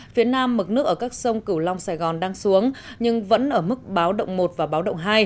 phía nam mực nước ở các sông cửu long sài gòn đang xuống nhưng vẫn ở mức báo động một và báo động hai